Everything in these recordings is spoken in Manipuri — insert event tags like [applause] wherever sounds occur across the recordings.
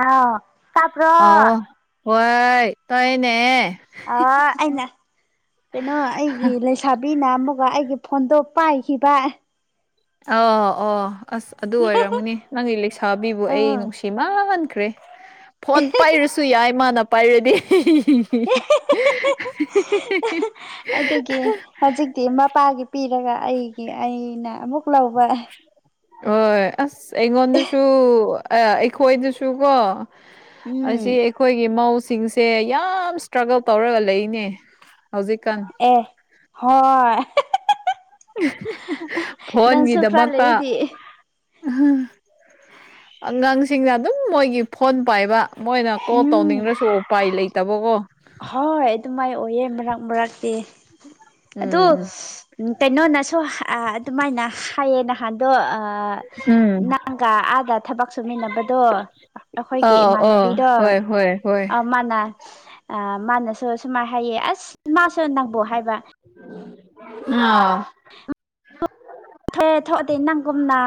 ꯑꯥꯎ ꯇꯥꯄ꯭ꯔꯣ ꯋꯥꯏ ꯇꯥꯏꯌꯦꯅꯦ ꯑ ꯑꯩꯅ ꯀꯩꯅꯣ ꯑꯩꯒꯤ ꯂꯩꯁꯥꯕꯤꯅ ꯑꯃꯨꯛꯒ ꯑꯩꯒꯤ ꯐꯣꯟꯗꯣ ꯄꯥꯏꯈꯤꯕ ꯑꯣ ꯑꯣ ꯑꯁ ꯑꯗꯨ ꯑꯣꯏꯔꯝꯃꯅꯤ ꯅꯪꯒꯤ ꯂꯩꯁꯥꯕꯤꯕꯨ ꯑꯩ ꯑꯥ ꯅꯨꯡꯁꯤ ꯃꯥꯟꯈ꯭ꯔꯦ ꯐꯣꯟ ꯄꯥꯏꯔꯨꯁ__ ꯁꯨ ꯌꯥꯏ ꯃꯥꯅ ꯄꯥꯏꯔꯗꯤ ꯍꯦ ꯍꯦ ꯑꯦ ꯍꯦ ꯍꯦ ꯍꯦ ꯑꯗꯨꯒꯤ ꯍꯥꯖꯤꯛ ꯇꯤ ꯃꯄꯥꯒꯤ ꯄꯤꯔꯒ ꯑꯩꯒꯤ ꯑꯩꯅ ꯑꯃꯨꯛ ꯂꯧꯕ ꯍꯣꯏ ꯑꯁ ꯑꯩꯉꯣꯟꯗꯁꯨ ꯑꯥ ꯑꯩꯈꯣꯏꯗꯁꯨ ꯀꯣ ꯎꯝ ꯑꯁꯤ ꯑꯩꯈꯣꯏꯒꯤ ꯃꯧꯁꯤꯡꯁꯤ__ ꯁꯦ ꯌꯥꯝ ꯏꯁꯇ꯭ꯔꯒꯜ ꯇꯧꯔꯒ ꯂꯩꯅꯦ ꯍꯧꯖꯤꯛꯀꯥꯟ ꯑꯦ ꯍꯣꯏ ꯅꯪꯁꯨ ꯈ꯭ꯔꯥ ꯐꯣꯟꯒꯤꯗꯃꯛꯇ ꯂꯩꯔꯗꯤ꯫ ꯑꯉꯥꯡꯁꯤꯡꯅ ꯑꯗꯨꯝ ꯃꯣꯏꯒꯤ ꯐꯣꯟ ꯄꯥꯏꯕ꯫ ꯃꯣꯏꯅ ꯀꯣꯜ ꯎꯝ ꯇꯧꯅꯤꯡꯔꯁꯨ ꯎꯄꯥꯏ ꯂꯩꯇꯕꯀꯣ꯫ ꯍꯣꯏ ꯑꯗꯨꯃꯥꯏ ꯑꯣꯏꯌꯦ ꯃꯔꯛ ꯃꯔꯛꯇꯤ ꯑꯗꯨ꯫ ꯎꯝ ꯀꯩꯅꯣꯅꯁꯨ ꯑ ꯑꯗꯨꯃꯥꯏꯅ ꯍꯥꯏꯌꯦ ꯅꯍꯥꯟꯗꯣ ꯑꯥ꯫ ꯎꯝ ꯅꯪꯒ ꯑꯥꯗ ꯊꯕꯛ ꯁꯨꯃꯤꯟꯅꯕꯗꯣ꯫ ꯑꯩꯈꯣꯏꯒꯤ ꯑꯥꯎ ꯑꯥꯎ ꯏꯃꯥꯟꯅꯕꯤꯗꯣ ꯍꯣꯏ ꯍꯣꯏ ꯍꯣꯏ ꯑ ꯃꯥꯅ ꯑ ꯃꯥꯅꯁꯨ ꯁꯨꯃꯥꯏ ꯍꯥꯏꯌꯦ ꯑꯁ ꯃꯥꯁꯨ ꯅꯪꯕꯣ ꯍꯥꯏꯕ [unintelligible] [inaudible] ꯊ‌ꯦ ꯊꯣꯛꯑꯗꯤ ꯅꯪꯒꯨꯝꯅ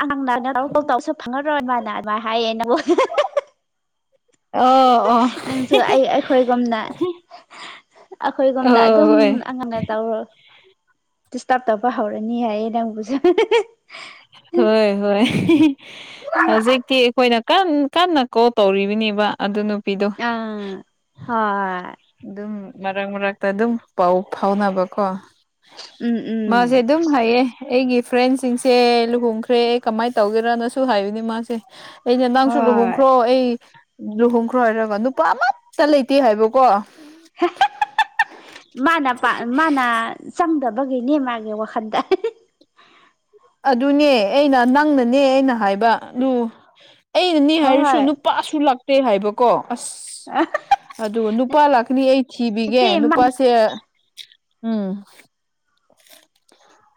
ꯑꯉꯥꯡꯅ [unintelligible] [inaudible] ꯇꯧꯔꯁꯨ ꯐꯪꯉꯔꯣꯏ ꯃꯥꯅ ꯑꯗꯨꯃꯥꯏꯟ ꯍꯥꯏꯌꯦ ꯅꯪꯕꯨ ꯑꯣ ꯑꯣ ꯅꯪꯁꯨ ꯑꯩ ꯑꯩꯈꯣꯏꯒꯨꯝꯅ ꯑꯩꯈꯣꯏꯒꯨꯝꯅ ꯑꯣ ꯑꯗꯨꯝ ꯍꯣꯏ ꯑ [inaudible] ꯅ ꯇꯧꯔꯣ ꯗꯤꯁꯇꯔ꯭ꯕ ꯇꯧꯕ ꯍꯧꯔꯅꯤ ꯍꯥꯏꯌꯦ ꯅꯪꯕꯨꯁꯨ ꯍꯣꯏ ꯍꯣꯏ ꯍꯧꯖꯤꯛ ꯇꯤ ꯑꯩꯈꯣꯏꯅ ꯀꯟ ꯀꯟꯅ ꯀꯣꯜ ꯇꯧꯔꯤꯕꯤꯅꯦꯕ ꯑꯗꯨ ꯅꯨ ꯑꯥ ꯍꯣꯏ ꯗꯨꯝ ꯃꯔꯛ ꯃꯔꯛꯇ ꯑꯗꯨꯝ ꯄꯥꯎ ꯐꯥꯎꯅꯕꯀꯣ ꯎꯝ ꯎꯝ ꯃꯥꯖ‌ꯦ ꯗꯨꯝ [unintelligible] ꯍꯥꯏꯌꯦ ꯑꯩꯒꯤ ꯐ꯭ꯔꯦꯟꯁꯤꯡꯁꯦ ꯂꯨꯍꯣꯡꯈ꯭ꯔꯦ ꯀꯃꯥꯏ ꯇꯧꯒꯦꯔꯅ ꯁꯨ ꯁꯨ ꯍꯥꯏꯕꯅꯤ ꯃꯥꯁꯦ ꯑꯩꯩꯅ ꯅꯪꯁꯨ ꯍꯣꯏ ꯂꯨꯍꯣꯡꯈ꯭ꯔꯣ ꯑꯩ ꯂꯨꯍꯣꯡꯈ꯭ꯔꯣ ꯍꯥꯏꯔꯒ ꯅꯨꯄꯥ ꯑꯃꯠꯇ ꯂꯩꯇꯦ ꯍꯥꯏꯕꯀꯣ ꯃꯥꯅ ꯄꯥ ꯃꯥꯅ ꯆꯪꯗꯕꯒꯤꯅꯤ ꯃꯥꯒꯤ ꯋꯥꯈꯟꯗ ꯑꯗꯨꯅꯦ ꯑꯩꯅ ꯅꯪꯅꯅꯦ ꯑꯩꯅ ꯍꯥꯏꯕ ꯑꯗꯨ ꯑꯩꯅꯅꯦ ꯍꯥꯏꯔꯁꯨ ꯍꯣꯏ ꯅꯨ ꯄꯥꯁꯨ ꯂꯛ ꯇ꯭ꯔ‌ꯦ ꯍꯥꯏꯕꯀꯣ ꯑꯁ ꯑꯗꯨ ꯅꯨꯄꯥ ꯂꯥꯛꯀꯅꯤ ꯑꯩ ꯊꯤꯕꯤꯒꯦ ꯅꯠꯇꯦ ꯃꯥ ꯅꯨꯄꯥ ꯁ‌ꯦ ꯎꯝ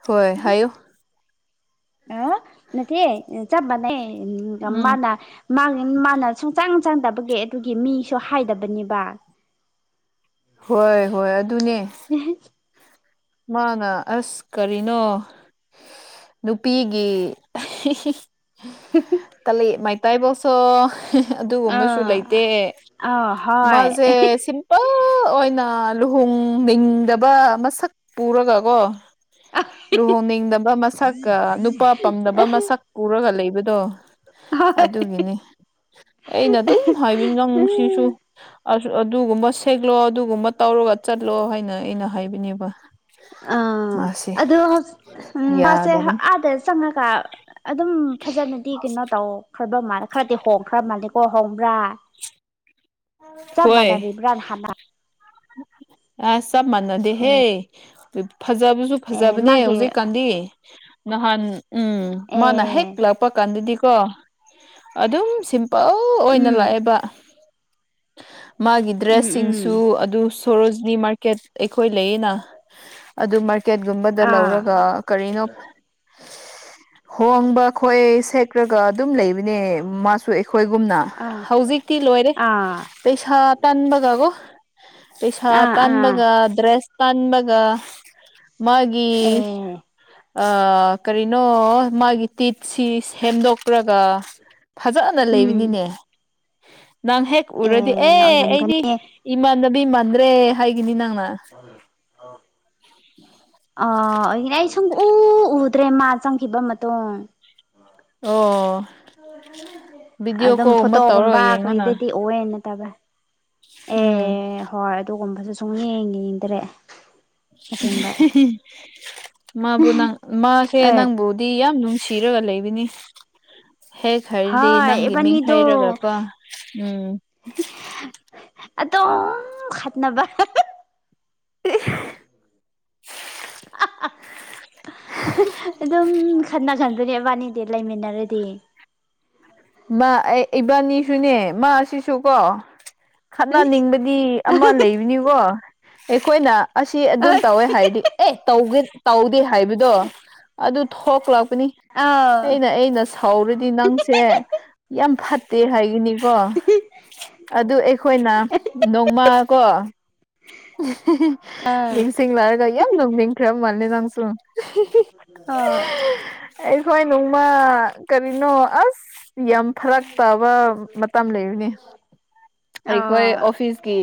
ꯍꯣꯏ ꯍꯥꯏꯌꯨ ꯑꯥ ꯅꯠꯇꯦ ꯆꯞꯃꯥꯅꯩ ꯑ ꯎꯝ ꯃꯥꯅ ꯃꯥꯒꯤ ꯃꯥꯅ ꯁꯨꯡꯆꯪ ꯆꯪꯗꯕꯒꯤ ꯑꯗꯨꯒꯤ ꯃꯤꯁꯨ ꯍꯥꯏꯗꯕꯅꯦꯕ ꯍꯣꯏ ꯍꯣꯏ ꯑꯗꯨꯅꯦ [unintelligible] ꯃꯥꯅ ꯑꯁ ꯀꯔꯤꯅꯣ ꯅꯨꯄꯤꯒꯤ ꯇꯜꯂꯦ ꯃꯥꯏ [unintelligible] ꯁꯣ ꯑꯗꯨꯒꯨꯝꯕꯁꯨ ꯂꯩꯇꯦ ꯑꯥ ꯑꯥ ꯍꯣꯏ ꯃꯥꯁꯦ ꯁꯤꯝ ꯄꯜ ꯑꯣꯏꯅ ꯂꯨꯍꯣꯡꯅꯤꯡꯗꯕ ꯃꯁꯛ ꯄꯨꯔꯒꯀꯣ ꯑ ꯂꯨꯍꯣꯡꯅꯤꯡꯗꯕ ꯃꯁꯛꯀ ꯅꯨꯄꯥ ꯄꯝꯗꯕ ꯃꯁꯛ ꯎꯔꯒ ꯂꯩꯕꯗꯣ ꯍꯣꯏ ꯑꯗꯨꯒꯤꯅꯤ ꯑꯩꯅ ꯑꯗꯨꯝ ꯍꯥꯏꯕꯤ ꯅꯪꯁꯤꯁꯨ ꯑꯁ ꯑꯗꯨꯒꯨꯝꯕ ꯁꯦꯛꯂꯣ ꯑꯗꯨꯒꯨꯝꯕ ꯇꯧꯔꯒ ꯆꯠꯂꯣ ꯍꯥꯏꯅ ꯑꯩꯅ ꯍꯥꯏꯕꯅꯤꯕ ꯑꯥ ꯑꯗꯣ [unintelligible] ꯃꯥꯁꯦ ꯌꯥꯗꯕꯅꯤ ꯑꯥꯗ ꯆꯪꯉꯒ ꯑꯗꯨꯝ ꯐꯖꯅꯗꯤ ꯀꯩꯅꯣ ꯇꯧ ꯈ꯭ꯔꯕ ꯃꯥꯜ ꯈꯔꯗꯤ ꯍꯣꯡꯈ꯭ꯔ ꯃꯥꯜꯂꯦꯀꯣ ꯍꯣꯡꯕ꯭ꯔꯥ ꯆꯞ ꯍꯣꯏ ꯃꯥꯟꯅꯔꯤꯕ꯭ꯔꯥꯟ ꯍꯥꯟꯅ ꯑꯁ ꯆꯞ ꯃꯥꯟꯅꯗꯦꯍꯦ ꯑꯦ ꯄꯤꯞ ꯐꯖꯕꯁꯨ ꯑꯦ ꯐꯖꯕꯅꯦ ꯃꯥꯒꯤ ꯍꯧꯖꯤꯛꯀꯥꯟꯗꯤ ꯅꯍꯥꯟ ꯎꯝ ꯃꯥꯅ ꯍꯦꯛ ꯑꯦ ꯂꯥꯛꯄ ꯀꯥꯟꯗꯗꯤꯀꯣ ꯑꯗꯨꯝ ꯁꯤꯝ ꯄꯜ ꯑꯣꯏꯅ ꯎꯝ ꯂꯥꯛꯑꯦꯕ ꯃꯥꯒꯤ ꯎꯝ ꯎꯝ ꯗ꯭ꯔꯦꯁꯁꯤꯡꯁꯨ ꯑꯠ ꯗꯨ ꯁꯣꯔꯣꯖꯤꯅꯤ ꯃꯥꯔꯀꯦꯠ ꯑꯩꯈꯣꯏ ꯂꯩꯌꯦꯅ ꯑꯗꯨ ꯃꯥꯔꯀꯦꯠꯒꯨꯝꯕꯗ ꯑꯥ ꯂꯧꯔꯒ ꯀꯔꯤꯅꯣ ꯍꯣꯡꯕ ꯈꯣꯏꯁꯦ ꯈ꯭ꯔꯒ ꯑꯗꯨꯝ ꯂꯩꯕꯅꯦ ꯃꯥꯁꯨ ꯑꯩꯈꯣꯏꯒꯨꯝꯅ ꯑꯥ ꯍꯧꯖꯤꯛꯇꯤ ꯂꯣꯏꯔꯦ ꯑꯥ ꯄꯩꯁꯥ ꯇꯥꯟꯕꯒ ꯀꯣ ꯄꯩꯁꯥ ꯑꯥ ꯑꯥ ꯇꯥꯟꯕꯒ ꯗ꯭ꯔꯦꯁ ꯇꯥꯟꯕꯒ ꯃꯥꯒꯤ ꯑꯦ ꯑ ꯀꯔꯤꯅꯣ ꯃꯥꯒꯤ ꯇꯤꯞꯁꯤ ꯁꯦꯝꯗꯣꯛꯔꯒ ꯐꯖꯅ ꯎꯝ ꯂꯩꯕꯅꯤꯅꯦ ꯅꯪ ꯍꯦꯛ ꯎꯔꯗꯤ ꯑꯦ ꯑꯩꯗꯤ ꯏꯃꯥꯟꯅꯕꯤ ꯃꯥꯟꯗ꯭ꯔꯦ ꯍꯥꯏꯒꯤꯅꯤ ꯅꯪꯅ [unintelligible] ꯑ ꯑꯩꯅꯦ ꯑꯩ ꯁꯨꯡꯎ ꯎꯗ꯭ꯔꯦ ꯃꯥ ꯆꯪꯈꯤꯕ ꯃꯇꯨꯡ ꯑꯣ ꯚꯤꯗꯤꯑꯣ ꯀꯣꯜꯒꯨꯝꯕ ꯇꯧꯔꯥ ꯌꯦꯡꯉꯣꯅ [unintelligible] ꯅꯠꯇꯕ꯭ꯔꯥ ꯎꯝ ꯍꯣꯏ ꯑꯗꯨꯒꯨꯝꯕꯁꯨ ꯁꯨꯡꯌꯦꯡ ꯌꯦꯡꯗꯔꯦ ꯃꯥꯕꯨ ꯅꯪ ꯃꯥꯁꯦ ꯑꯦ ꯅꯪꯕꯨꯗꯤ ꯌꯥꯝ ꯅꯨꯡ ꯁꯤꯔꯒ ꯂꯩꯕꯤꯅꯤ ꯍꯦꯛ ꯍꯥꯢꯔꯗꯤ ꯍꯣꯏ ꯅꯪꯒꯤ ꯃꯤꯡ ꯏꯕꯥꯅꯤꯗꯣ ꯍꯩꯔꯒꯀꯣ ꯎꯝ ꯑꯗꯨꯝ ꯈꯠꯅꯕ [unintelligible] ꯑꯗꯨꯝ ꯈꯠꯅꯒꯟꯕꯅꯤ ꯃꯕꯥꯅꯤꯗꯤ ꯂꯩꯃꯤꯟꯅꯔꯗꯤ ꯃꯥ ꯑꯩ ꯏꯕꯥꯅꯤꯁꯨꯅꯦ ꯃꯥꯁꯤꯁꯨ ꯀꯣ ꯈꯠꯅꯅꯤꯡꯕꯗꯤ ꯑꯃ ꯂꯩꯕꯅꯤꯀꯣ ꯑꯩꯈꯣꯏꯅ ꯑꯁꯤ ꯑꯗꯨꯝ ꯍꯣꯏ ꯇꯧꯋꯦ ꯍꯥꯏꯔꯗꯤ ꯑꯦ ꯇꯧꯒꯦ ꯇꯧꯗꯦ ꯍꯥꯏꯕꯗꯣ ꯑꯗꯨ ꯊꯣꯛꯂꯛꯄꯅꯤ ꯑꯥꯎ ꯑꯩꯅ ꯑꯩꯅꯁ ꯍꯧꯔꯗꯤ ꯅꯪꯁꯦ ꯌꯥꯝ ꯐꯠꯇꯦ ꯍꯥꯏꯒꯅꯤꯀꯣ ꯑꯗꯨ ꯑꯩꯈꯣꯏꯅ ꯅꯣꯡꯃ ꯀꯣ ꯑꯥ ꯅꯤꯡꯁꯤꯡꯂꯛꯂꯒ ꯌꯥꯝ ꯅꯣꯛꯅꯤꯡꯈ꯭ꯔ ꯃꯥꯜꯂꯦ ꯅꯪꯁꯨ ꯍꯣꯢ ꯑꯩꯈꯣꯏ ꯅꯣꯡꯃ ꯀꯔꯤꯅꯣ ꯑꯁ ꯌꯥꯝ ꯐꯔꯛ ꯇꯥꯕ ꯃꯇꯝ ꯂꯩꯕꯅꯤ ꯑꯩꯈꯣꯏ ꯑꯥ ꯑꯣ ꯑꯣ ꯑꯣꯐꯤꯁꯀꯤ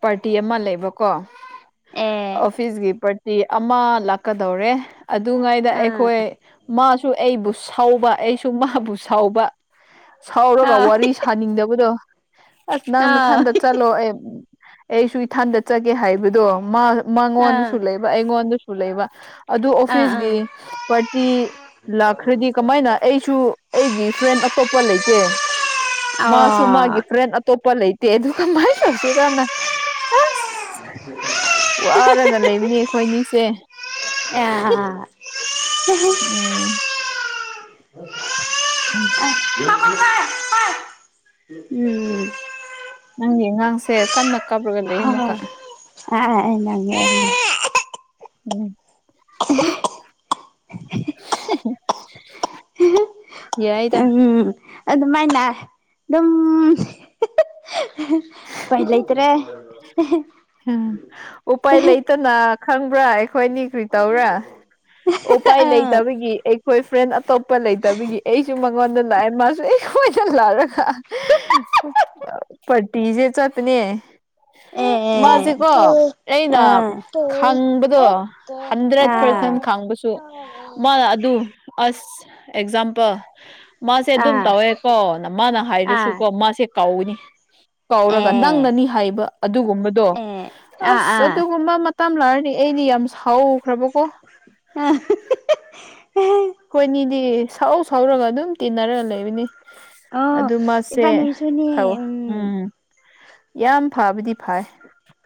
ꯄꯥꯔꯇꯤ ꯑꯃ ꯂꯩꯕꯀꯣ ꯑꯦ ꯑꯣꯐꯤꯁꯒꯤ ꯄꯥꯔ ꯇꯤ ꯑꯃ ꯂꯥꯛꯀꯗꯧꯔꯦ ꯑꯗꯨꯉꯩꯗ ꯑꯥ ꯑꯩꯈꯣꯏ ꯃꯥꯁꯨ ꯑꯩꯕꯨ ꯁꯧꯕ ꯑꯩꯁꯨ ꯃꯥꯕꯨ ꯁꯧꯕ ꯁꯧꯔꯒ ꯑꯥ ꯋꯥꯔꯤ ꯁꯥꯅꯤꯡꯗꯕꯗꯣ ꯑꯁ ꯅꯪ ꯑꯥ ꯅꯊꯟꯗ ꯆꯠ ꯂꯣ ꯑꯦꯞ ꯑꯩꯁꯨ ꯏꯊꯟꯗ ꯆꯠꯒꯦ ꯍꯥꯏꯕꯗꯣ ꯃꯥ ꯑꯥ ꯃꯉꯣꯟꯗꯁꯨ ꯂꯩ ꯕ ꯑꯩꯉꯣꯟꯗꯁꯨ ꯂꯩꯕ ꯑꯗꯨ ꯑ ꯎꯝ ꯑꯣꯐꯤꯁꯒꯤ ꯄꯥꯔꯇꯤ ꯂꯥꯛꯈ꯭ꯔꯗꯤ ꯀꯃꯥꯏꯅ ꯑꯩꯁꯨ ꯑꯩꯒꯤ ꯐ꯭ꯔꯦꯟ ꯑꯇꯣꯞꯄ ꯂꯩꯇꯦ ꯃꯥꯁꯨ ꯃꯥꯒꯤ ꯐ꯭ꯔꯦꯟ ꯑꯠ ꯇꯣꯞꯄ ꯂꯩꯇꯦ ꯑꯗꯨ ꯀꯃꯥꯥꯏ ꯇꯧꯁꯤꯔꯅ ꯑꯁ ꯋꯥꯔꯒ ꯂꯩꯕꯅꯤ ꯑꯩꯈꯣꯏꯅꯤꯁꯦ [unintelligible] ꯎꯝ [inaudible] [unintelligible] ꯅꯪꯒꯤ ꯑꯉꯥꯡꯁꯦ ꯀꯟꯅ ꯀꯥꯞꯔꯒ ꯂꯩ ꯑꯃꯨꯛꯀ [unintelligible] [unintelligible] [unintelligible] ꯌꯥꯏꯗ ꯎꯝ ꯑꯗꯨꯃꯥꯏꯅ ꯑꯗꯨꯝ ꯎꯄꯥꯢ ꯂꯩꯇ꯭ꯔꯦ ꯅ ꯈꯪꯕ꯭ꯔꯥ ꯑꯩꯈꯣꯏꯅꯤ ꯀ꯭ꯔꯤ ꯇꯧꯔꯦ [unintelligible] ꯎꯄꯥꯏ ꯑꯥ ꯂꯩꯇꯕꯒꯤ ꯑꯩꯈꯣꯏ ꯐ꯭ꯔꯦꯟ ꯑꯇꯣꯞꯄ ꯂꯩꯇꯕꯒꯤ ꯑꯩꯁꯨ ꯃꯉꯣꯟꯗ ꯂꯥꯛꯑꯦ ꯃꯥꯁꯨ ꯑꯩꯈꯣꯏꯗ ꯂꯥꯛꯑꯦ ꯄꯇꯤꯖꯦ ꯆꯠꯄꯅꯦ ꯑꯦ ꯑꯥ ꯃꯥꯁꯦꯀꯣ ꯑꯩꯅ ꯑꯥ ꯈꯪꯕꯗꯣ ꯍꯟꯗ꯭ꯔꯦꯠ ꯑꯥ ꯄꯥꯔꯁꯦꯟ ꯈꯪꯕꯁꯨ ꯃꯥꯅ ꯑꯗꯨ ꯑꯁ ꯑꯦꯛꯖꯥꯝꯄꯜ ꯃꯥꯁꯦ ꯑꯗꯨꯝ ꯇꯧꯋꯦꯀꯣ ꯃꯥꯅ ꯑꯥ ꯍꯥꯏꯗꯔꯁꯨꯀꯣ ꯃꯥꯁꯦ ꯀꯧꯒꯅꯤ ꯀꯧꯔꯒ ꯑꯦ ꯅꯪꯅꯅꯤ ꯍꯥꯏꯕ ꯑꯗꯨꯒꯨꯝꯕꯗꯣ ꯑꯦ ꯑꯥ ꯑꯁ ꯑꯗꯨꯒꯨꯝꯕ ꯃꯥ ꯇꯝ ꯂꯥꯛꯔꯅꯤ ꯑꯩꯗꯤ ꯌꯥꯝ ꯁꯥꯎꯈ꯭ꯔꯕꯀꯣ [unintelligible] ꯑꯈꯣꯏꯅꯤꯗꯤ ꯁꯥꯎ ꯁꯥꯎꯔꯒ ꯑꯗꯨꯝ ꯇꯤꯟꯅꯔꯒ ꯂꯩꯕꯅꯤ ꯑꯣ ꯑꯗꯨ ꯃꯥꯁꯦ ꯏꯕꯥꯅꯤꯁꯨꯅꯤ ꯊꯧ ꯎꯝ ꯌꯥꯝ ꯐꯕꯗꯤ ꯐꯩ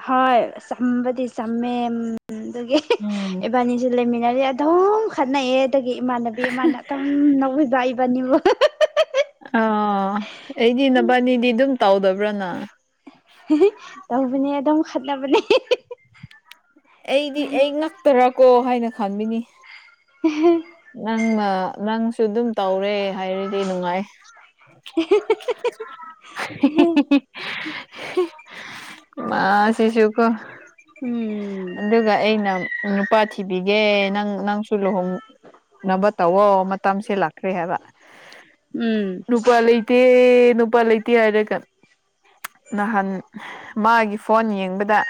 ꯍꯣꯏ ꯆꯝꯕꯗꯤ ꯆꯝꯃꯦ ꯑꯗꯨꯒꯤ ꯎꯝ ꯏꯕꯥꯅꯤꯁꯦ ꯂꯩꯃꯤꯟꯅꯔꯦ ꯑꯗꯨꯝ ꯈꯠꯅꯩꯑꯦ ꯑꯗꯒꯤ ꯏꯃꯥꯟꯅꯕꯤ ꯑꯃꯅꯥ ꯑꯗꯨꯝ ꯅꯧꯕꯖꯥꯏ ꯏꯕꯅꯤꯕꯨ ꯑ ꯑꯩꯗꯤ ꯅꯕꯥꯅꯤꯗꯤ ꯑꯗꯨꯝ ꯇꯧꯗꯕ꯭ꯔꯅ ꯇꯧꯕꯅꯦ ꯑꯗꯨꯝ ꯈꯠꯅꯕꯅꯦ ꯑꯩꯗꯤ ꯑꯩ ꯉꯛꯇꯔꯀꯣ ꯍꯥꯏꯅ ꯈꯟꯃꯤꯅꯤ [unintelligible] ꯅꯪꯅ ꯅꯪꯁꯨ ꯑꯗꯨꯝ ꯇꯧꯔꯦ ꯍꯥꯏꯔꯗꯤ ꯅꯨꯡꯉꯥꯏ [unintelligible] [unintelligible] ꯃꯥꯁꯤꯁꯨꯀꫭ ꯎꯝ ꯑꯗꯨꯒ ꯑꯩꯅ ꯅꯨꯄꯥ ꯊꯤꯕꯤꯒꯦ ꯅꯪ ꯅꯪꯁꯨ ꯂꯨꯍꯣꯡ ꯅꯕ ꯇꯧꯋꯣ ꯃꯇꯝꯁꯦ ꯂꯥꯛꯈꯔꯦ ꯍꯥꯏꯕ ꯎꯝ ꯅꯨꯄꯥ ꯂꯩ ꯇꯦ ꯅꯨꯄꯥ ꯂꯩꯇꯦ ꯍꯥꯏꯔꯒ ꯅꯍꯥꯟ ꯃꯥꯒꯤ ꯐꯣꯟ ꯌꯦꯡꯕꯗ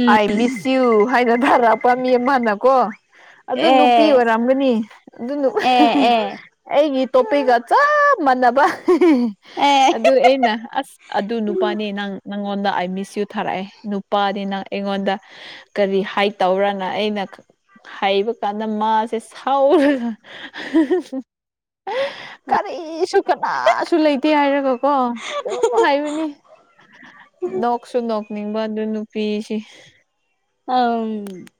ꯎꯝ ꯑꯥꯏ ꯃꯤꯁ ꯌꯨ ꯍꯥꯏꯅ ꯊꯥꯔꯛꯄ ꯃꯤ ꯑꯃꯅꯀꯣ ꯑꯗꯨ ꯅꯨꯄꯤ ꯑꯦ ꯑꯣꯏ ꯔꯝꯒꯅꯤ ꯑꯗꯨ ꯑꯦ ꯑꯦ ꯑꯩꯒꯤ ꯇꯣꯄꯤꯒ ꯆꯞ ꯃꯥꯟꯅꯕ ꯑꯦ ꯑꯗꯨ ꯑꯩꯅ ꯑꯁ ꯑꯗꯨ ꯅꯨꯄꯥꯅꯤ ꯅꯪ ꯅꯪꯉꯣꯟꯗ ꯑꯥꯏ ꯃꯤꯁ ꯌꯨ ꯊꯥꯔꯛꯑꯦ ꯅꯨꯄꯥꯅꯤ ꯅꯪ ꯑꯩꯉꯣꯟꯗ ꯀꯔꯤ ꯍꯥꯏꯠ ꯇꯧꯔꯅ ꯑꯩꯅ ꯍꯥꯏꯕ ꯀꯥꯟꯗ ꯃꯥꯁꯦ ꯁꯥꯎꯔꯒ [unintelligible] ꯀꯔꯤꯁꯨ ꯀꯅꯥꯁꯨ ꯂꯩꯇꯦ ꯍꯥꯏꯔꯒ ꯀꯣ ꯑꯗꯨꯝ ꯍꯥꯏꯕꯅꯤ ꯅꯣꯛꯁꯨ ꯅꯣꯛꯅꯤꯡꯕ ꯑꯗꯨ ꯅꯨꯄꯤꯁꯤ ꯑꯝ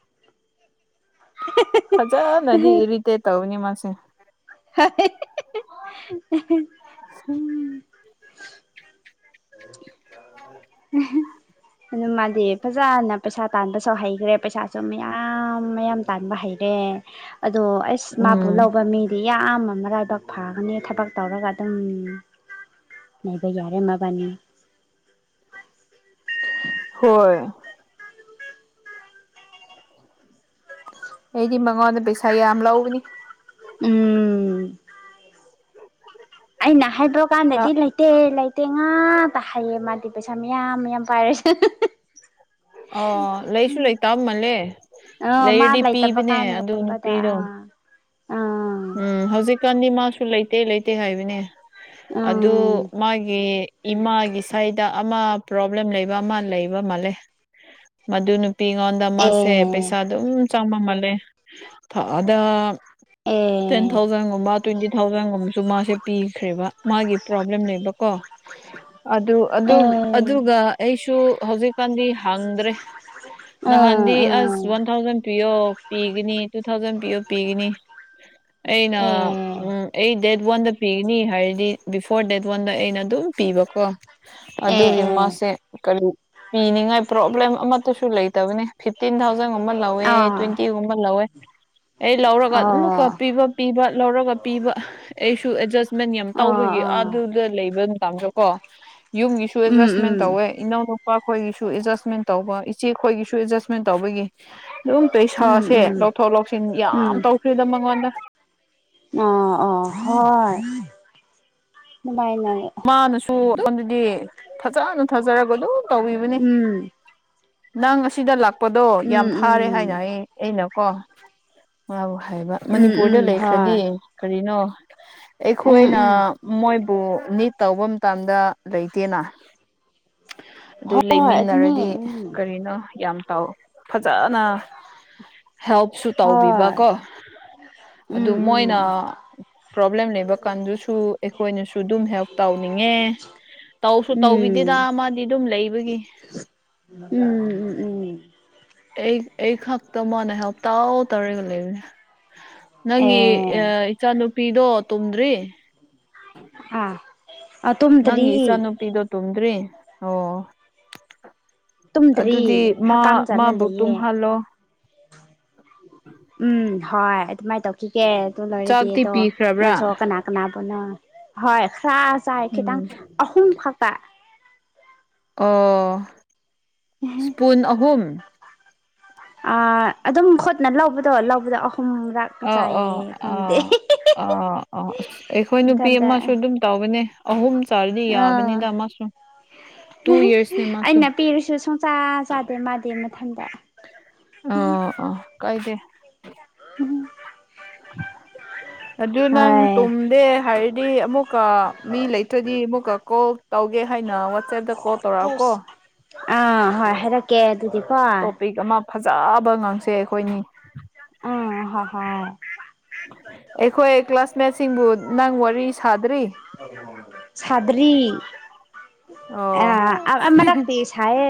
ꯐꯖ ꯅꯗꯤ ꯏꯔꯤꯇ‌ꯦꯠ ꯇꯧꯏꯅꯦ ꯃꯥꯁ‌ꯦ [unintelligible] [unintelligible] [unintelligible] ꯑꯗꯨ ꯃꯥꯗꯤ ꯐꯖꯅ ꯄꯩꯁꯥ ꯇꯥꯟꯕꯁꯨ ꯍꯩꯈ꯭ꯔꯦ ꯄꯩꯁꯥꯁꯨ ꯃꯌꯥꯝ ꯃꯌꯥꯝ ꯇꯥꯟꯕ ꯍꯩꯔꯦ ꯑꯗꯣ ꯑꯁ ꯃꯥꯕꯨ ꯎꯝ ꯂꯧꯕ ꯃꯤ ꯃꯌꯥꯝ ꯑꯃ ꯃꯔꯥꯏꯕꯛ ꯐꯒꯅꯤ ꯊꯕꯛ ꯇꯧꯔꯒ ꯑꯗꯨꯝ ꯂꯩꯕ ꯌꯥꯔ‌ꯦ ꯃꯥꯕꯅꯤ ꯍꯣꯏ [unintelligible] ꯑꯩꯗꯤ ꯃꯉꯣꯟꯗ ꯄꯩꯁꯥ ꯌꯥꯝ ꯂꯧꯕꯅꯤ ꯎꯝ ꯑꯩꯅ ꯍꯥꯏꯗ꯭ꯔꫭ ꯅ ꯀꯥꯟꯗꯗꯤ ꯂꯩꯇꯦ ꯂꯩ ꯇꯦ ꯉꯥꯛꯇ ꯍꯥꯏꯌꯦ ꯃꯥꯗꯤ ꯄꯩꯁꯥ ꯃꯌꯥꯝ ꯃꯌꯥꯝ ꯄꯥꯏꯔꯁꯨ ꯑꯣ ꯂꯩꯁꯨ ꯂꯩ ꯇꯃꯜꯂꯦ ꯑ ꯃꯥ ꯂꯩꯔꯗꯤ ꯂꯩꯇꯕ ꯄꯤꯕꯅꯦ ꯑꯗꯨ ꯀꯥꯟꯒꯨꯝꯕꯗ ꯅꯨꯄꯤꯗꯣ ꯑꯥ ꯑꯥ ꯎꯝ ꯍꯧꯖꯤꯛꯀꯥꯟꯗꯤ ꯃꯥꯁꯨ ꯂꯩꯇꯦ ꯂꯩꯇꯦ ꯍꯥꯏꯕꯅꯦ ꯑꯗꯨ ꯎꯝ ꯃꯥꯒꯤ ꯏꯃꯥꯒꯤ ꯁꯥꯏꯗ ꯑꯃ ꯄ꯭ꯔꯣꯕ꯭ꯂꯦꯝ ꯂꯩꯕ ꯑꯃ ꯂꯩꯕ ꯃꯥꯜꯂꯦ ꯃꯗꯨ ꯅꯨꯄꯤꯉꯣꯟꯗ ꯃꯥꯁꯦ ꯄꯩꯁꯥ ꯑꯦ ꯑꯗꯨꯝ ꯆꯪꯕꯃꯜꯂꯦ ꯊꯥꯗ ꯇꯦꯟ ꯑꯦ ꯊꯥꯎꯖꯟꯒꯨꯝꯕ ꯇ꯭ꯋꯦꯟꯇꯤ ꯊꯥꯎꯖꯟꯒꯨꯝꯕꯁꯨ ꯃꯥꯁꯦ ꯄꯤꯈ꯭ꯔꯦꯕ ꯃꯥꯒꯤ ꯄ꯭ꯔꯣꯕ꯭ꯂꯦꯝ ꯂꯩꯕꯀꯣ ꯑꯗꯨ ꯑꯗꯨ ꯑꯦ ꯑꯗꯨꯒ ꯑꯩꯁꯨ ꯍꯧꯖꯤꯛꯀꯥꯟꯗꯤ ꯍꯥꯡꯗ꯭ꯔꯦ ꯎꯝ ꯅꯍꯥꯟꯗꯤ ꯑꯁ ꯎꯝ ꯋꯥꯟ ꯊꯥꯎꯖꯟ ꯄꯤꯌꯣ ꯄꯤꯒꯅꯤ ꯇꯨ ꯊꯥꯎꯖꯟ ꯄꯤꯌꯣ ꯄꯤꯒꯅꯤ ꯑꯦ ꯑꯩꯅ ꯎꯝ ꯑꯩ ꯗꯦꯠ ꯋꯥꯟꯗ ꯄꯤꯒꯅꯤ ꯍꯥꯏꯔꯗꯤ ꯕꯤꯐꯣꯔ ꯗꯦꯠ ꯋꯥꯟꯗ ꯑꯩꯅ ꯑꯗꯨꯝ ꯄꯤꯕꯀꯣ ꯑꯦ ꯑꯗꯨꯒꯤ ꯑꯦ ꯃꯥꯁꯦ ꯀꯔꯤ ꯄꯤꯅꯤꯡꯉꯥꯏ ꯄ꯭ꯔꯣꯕ꯭ꯂꯦꯝ ꯑꯃꯠꯇꯁꯨ ꯂꯩꯇꯕꯅꯤ ꯇꯦꯟ ꯊꯥꯎꯖꯟꯒꯨꯝꯕ ꯂꯧꯋꯦ ꯑꯥ ꯇ꯭ꯋꯦꯟꯇꯤꯒꯨꯝꯕ ꯂꯧꯋꯦ ꯑꯩ ꯂꯧꯔꯒ ꯑꯣ ꯑꯗꯨꯝ ꯑꯣ ꯀꯣ ꯄꯤꯕ ꯄꯤꯕ ꯂꯧꯔꯒ ꯄꯤꯕ ꯑꯩꯁꯨ ꯑꯦꯗꯖꯁꯃꯦꯟ ꯌꯥꯝ ꯑꯣ ꯇꯧꯕꯒꯤ ꯑꯣ ꯑꯗꯨ ꯑꯗꯨ ꯂꯩꯕ ꯃꯇꯝꯗ ꯀꯣ ꯌꯨꯝꯒꯤꯁꯨ ꯎꯝ ꯑꯦꯗꯖꯁꯃꯦꯟ ꯇꯧꯋꯦ ꯏꯅꯧ ꯅꯨꯨꯄꯥ ꯈꯣꯏꯒꯤꯁꯨ ꯑꯦꯗꯖꯁꯃꯦꯟ ꯇꯧꯕ ꯏꯆꯦ ꯈꯣꯏꯒꯤꯁꯨ ꯑꯦꯗꯖꯁꯃꯦꯟ ꯇꯧꯕꯒꯤ ꯑꯗꯨꯝ ꯄꯩꯁꯥꯁꯦ ꯎꯝ ꯂꯧꯊꯣꯛ ꯂꯧꯁꯤꯟ ꯌꯥꯝ ꯇꯧꯈ꯭ꯔꯤꯗ ꯃꯔꯛ ꯑ ꯑ ꯍꯣꯏ [unintelligible] ꯗꯨ ꯑꯩꯉꯣꯟꯗꯗꯤ ꯐꯖꯅ ꯊꯥꯖꯔꯒ ꯑꯗꯨꯝ ꯇꯧꯕꯤꯕꯅꯤ ꯎꯝ ꯅꯪ ꯑꯁꯤꯗ ꯂꯥꯛꯄꯗꯣ ꯌꯥꯝ ꯎꯝ ꯐꯥꯔꯦ ꯍꯥꯏ ꯎꯝ ꯌꯥꯏꯌꯦ ꯑꯩꯅꯀꯣ ꯃꯥꯕꯨ ꯍꯥꯏꯕ ꯎꯝ ꯃꯅꯤꯄꯨꯔꯗ ꯎꯝ ꯂꯩꯈ꯭ꯔꯗꯤ ꯍꯣꯏ ꯀꯔꯤꯅꯣ ꯎꯝ ꯑꯩꯈꯣꯏꯅ ꯎꯝ ꯃꯣꯏ ꯄꯨ ꯅꯤꯠ ꯇꯧꯕ ꯃꯇꯝꯗ ꯂꯩꯇꯦꯅ ꯑꯗꯨ ꯍꯣꯏ ꯑꯗꯨꯅꯦ ꯂꯩꯃꯤꯟꯅꯔꯗꯤ ꯎꯝ ꯀꯔꯤꯅꯣ ꯌꯥꯝ ꯇꯧ ꯐꯖꯅ ꯍꯦꯜꯞꯁꯨ ꯍꯣꯏ ꯇꯧꯕꯤꯕꯀꯣ ꯑꯗꯨ ꯎꯝ ꯎꯝ ꯃꯣꯏꯅ ꯄ꯭ꯔꯣꯕ꯭ꯂꯦꯝ ꯂꯩꯕ ꯀꯥꯟꯗꯨꯁꯨ ꯑꯩꯈꯣꯏꯅꯁꯨ ꯇꯨꯗꯨꯝ ꯍꯦꯜꯞ ꯇꯧꯅꯤꯡꯉꯦ ꯇꯧꯁꯨ ꯇꯧꯕꯤꯗꯦꯗ ꯎꯝ ꯃꯥꯗꯤ ꯑꯗꯨꯝ ꯂꯩꯕꯒꯤ ꯎꯝ ꯎꯝ ꯎꯝ ꯑꯩ ꯑꯩ ꯈꯛꯇ ꯃꯥꯅ ꯍꯦꯂꯞ ꯇꯧ ꯇꯧꯔꯒ ꯂꯩꯕꯅꯦ ꯑꯦ ꯅꯪꯒꯤ ꯏꯆꯥꯅꯨꯄꯤꯗꯣ ꯇꯨꯝꯗ꯭ꯔꯤ ꯑꯥ ꯑ ꯇꯨꯃꯗ꯭ꯔꯤ ꯅꯪꯒꯤ ꯏꯆꯥꯅꯨꯄꯤꯗꯣ ꯇꯨꯝꯗ꯭ꯔꯤ ꯑꯣ ꯑꯗꯨꯗꯤ ꯇꯨꯝꯗ꯭ꯔꯤ ꯃꯥ ꯍꯀꯥꯝ ꯆꯥꯅ ꯃꯥꯕꯨ ꯂꯩꯌꯦ ꯇꯨꯝꯍꯜꯂꯣ ꯎꯝ ꯍꯣꯏ ꯑꯗꯨꯃꯥꯏꯅ ꯇꯧꯈꯤꯒꯦ ꯑꯗꯨ ꯂꯣꯏꯔꯗꯤ ꯆꯥꯛꯇꯤ ꯑꯗꯣ ꯄꯤꯈ꯭ꯔꯕ꯭ꯔꯥ ꯅꯪꯁꯨ ꯀꯅꯥ ꯀꯅꯥꯕꯨꯅꯣ ꯍꯣꯏ ꯈꯔ ꯆꯥꯏ ꯈꯤꯇꯪ ꯎꯝ ꯑꯍꯨꯝ ꯈꯛꯇ ꯑ ꯏꯁ꯭ꯄꯨꯟ ꯑꯍꯨꯝ ꯑ ꯑꯗꯨꯝ ꯈꯨꯠꯅ ꯂꯧꯕꯗꯣ ꯂꯧꯕꯗꯣ ꯑꯍꯨꯝ ꯂꯥꯛꯅ ꯑꯥ ꯑꯥ ꯆꯥꯏꯌꯦ ꯈꯪꯗꯦ ꯑꯥ ꯑꯥ ꯑꯁ ꯑꯩꯈꯣꯏ ꯅꯨꯄꯤ ꯃꯊꯟꯇ ꯑꯃꯁꯨ ꯑꯗꯨꯝ ꯇꯧꯕꯅꯦ ꯑꯍꯨꯝ ꯆꯥꯔꯗꯤ ꯑꯥ ꯌꯥꯕꯅꯤꯅ ꯑꯃꯁꯨ ꯑꯩꯅ ꯄꯤꯔꯁꯨ ꯁꯨꯡꯆꯥꯥ ꯆꯥꯗꯦ ꯃꯥꯗꯤ ꯃꯊꯟꯗ ꯑꯣ ꯑꯣ ꯀꯥꯏꯗꯦ [unintelligible] [inaudible] ꯑꯗꯨ ꯅꯪ ꯍꯣꯏ ꯇꯨꯝꯗꯦ ꯍꯥꯏꯔꯗꯤ ꯑꯃꯨꯛꯀ ꯃꯤ ꯂꯩꯇ꯭ꯔꯗꯤ ꯑꯃꯨꯛꯀ ꯀꯣ ꯇꯧꯒꯦ ꯍꯥꯏꯅ ꯋꯥꯆꯦꯞꯇ ꯀꯣꯜ ꯇꯧꯔꯛꯑꯣ ꯀꯣ ꯑꯥ ꯍꯣꯏ ꯍꯥꯏꯔꯛ ꯇꯣꯄꯤꯛ ꯑꯃ ꯐꯖꯕ ꯉꯥꯡꯁꯦ ꯑꯩꯈꯣꯏꯅꯤ ꯎꯝ ꯍꯣꯏ ꯍꯣꯏ ꯑꯩꯈꯣꯏ ꯀ꯭ꯂꯥꯁꯃꯦꯠꯁꯤꯡꯕꯨ ꯅꯪ ꯋꯥꯔꯤ ꯁꯥꯗ꯭ꯔꯤ ꯁꯗꯔꯤ ꯑ ꯑꯣ ꯑꯃꯔꯛꯇꯤ ꯁꯥꯏꯌꯦ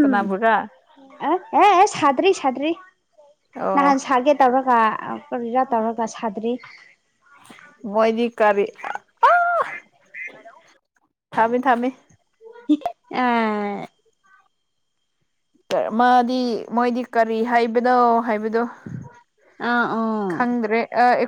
ꯀꯅꯥꯕꯨꯔꯥ ꯑꯦ ꯑꯦ ꯁꯗ꯭ꯔꯤ ꯁꯗ꯭ꯔꯤ ꯑꯣ ꯅꯍꯥꯟ ꯁꯥꯒꯦ ꯇꯧꯔꯒ ꯀꯔꯤꯔꯥ ꯇꯧꯔꯒ ꯁꯥꯗ꯭ꯔꯤ ꯃꯣꯏꯗꯤ ꯀꯥꯔꯤꯑꯥ ꯊꯝꯃꯤ ꯊꯝꯃꯤ ꯑꯥ ꯃꯥꯗꯤ ꯃꯣꯏꯗꯤ ꯀꯔꯤ ꯍꯥꯏꯕꯅꯣ ꯍꯥꯏꯕꯗꯣ ꯑꯥ ꯑꯣ ꯈꯪꯗꯔꯦ ꯑꯥ